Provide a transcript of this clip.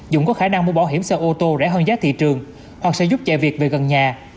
dũng có khả năng mua bảo hiểm xe ô tô rẻ hơn giá thị trường hoặc sẽ giúp chạy việc về gần nhà